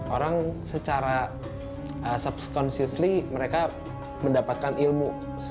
orang secara subconsciously mereka mendapatkan ilmu